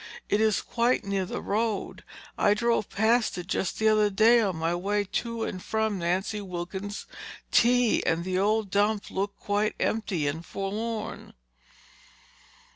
It is quite near the road. I drove past it just the other day on my way to and from Nance Wilkins' tea and the old dump looked quite empty and forlorn."